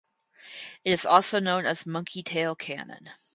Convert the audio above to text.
It is also known as monkey tail cannon.